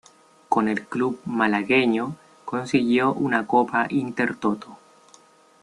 Con el club malagueño consiguió una Copa Intertoto.